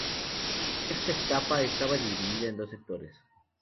La sexta etapa estaba dividida en dos sectores.